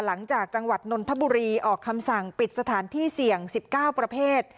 หลังจากจังหวัดนนทบุรีออกคำสั่งปิดสถานที่เสี่ยง๑๙ประเภท